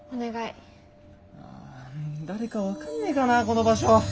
あ誰か分かんねえかなこの場所。